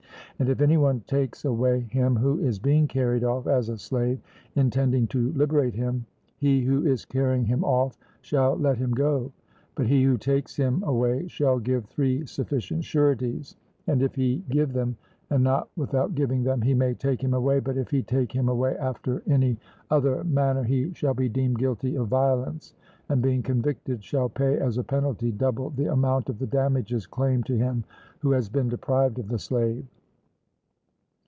And if any one takes away him who is being carried off as a slave, intending to liberate him, he who is carrying him off shall let him go; but he who takes him away shall give three sufficient sureties; and if he give them, and not without giving them, he may take him away, but if he take him away after any other manner he shall be deemed guilty of violence, and being convicted shall pay as a penalty double the amount of the damages claimed to him who has been deprived of the slave.